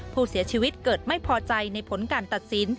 ผู้เสียชีวิตเกิดไม่พอใจในผลการตัดสิน